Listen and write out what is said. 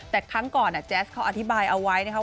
แต่ครั้งก่อนแจ๊สเขาอธิบายเอาไว้นะครับ